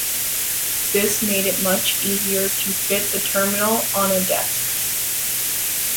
This made it much easier to fit the terminal on a desk.